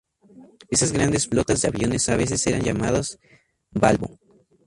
Esas grandes flotas de aviones a veces eran llamadas "Balbo".